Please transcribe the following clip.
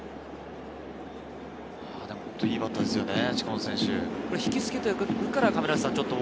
本当にいいバッターですよね。